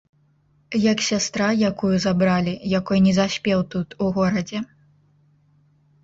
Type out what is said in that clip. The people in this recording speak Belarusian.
Як сястра, якую забралі, якой не заспеў тут, у горадзе.